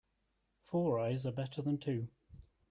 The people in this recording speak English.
Four eyes are better than two.